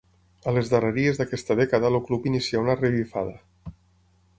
A les darreries d'aquesta dècada el club inicià una revifada.